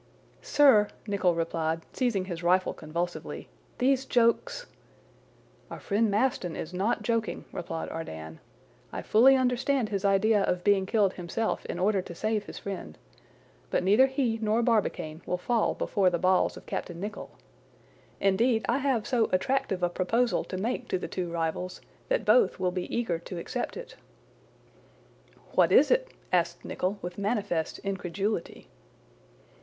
"Sir," Nicholl replied, seizing his rifle convulsively, "these jokes—" "Our friend Maston is not joking," replied Ardan. "I fully understand his idea of being killed himself in order to save his friend. But neither he nor Barbicane will fall before the balls of Captain Nicholl. Indeed I have so attractive a proposal to make to the two rivals, that both will be eager to accept it." "What is it?" asked Nicholl with manifest incredulity.